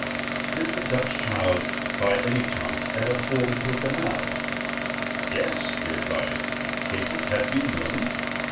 Did the Dutch child by any chance ever fall into a canal? "Yes," he replied, "cases have been known."